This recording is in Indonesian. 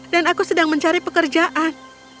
aku sedang mencari pekerjaan